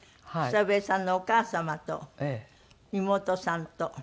草笛さんのお母様と妹さんと。